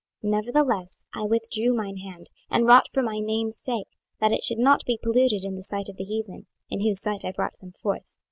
26:020:022 Nevertheless I withdrew mine hand, and wrought for my name's sake, that it should not be polluted in the sight of the heathen, in whose sight I brought them forth.